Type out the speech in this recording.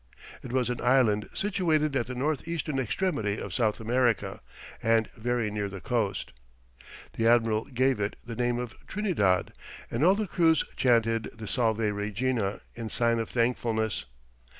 It was an island situated at the north eastern extremity of South America, and very near the coast. The admiral gave it the name of Trinidad, and all the crews chanted the Salve Regina in sign of thankfulness.